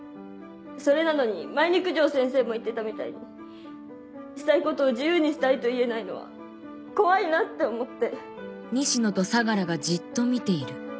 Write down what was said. それなのに前に九条先生も言ってたみたいにしたいことを自由にしたいと言えないのは怖いなって思って。